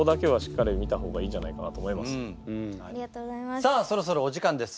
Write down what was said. さあそろそろお時間です。